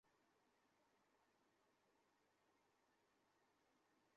এরপর কারা কর্তৃপক্ষ আদেশটি যাচাই করে নুরুল আজিমের মুক্তির ব্যবস্থা করে।